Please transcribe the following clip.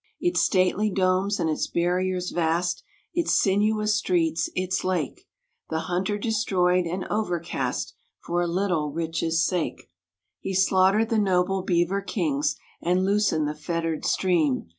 Its stately domes and its barriers vast, Its sinuous streets, its lake, The hunter destroyed and overcast, For a little riches' sake. He slaughtered the noble beaver kings, And loosened the fettered stream.